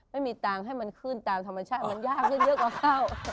ไม่มีตังค์ให้มันขึ้นตามธรรมชาติมันยากได้เยอะกว่าข้าว